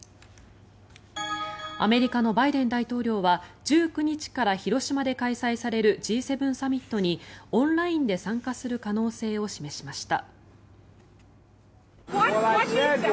アメリカのバイデン大統領は１９日から広島で開催されるＧ７サミットにオンラインで参加する可能性を示しました。